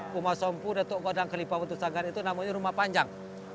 rumah sompu datuk kodang kelipa batu sanggan itu namanya rumah panjang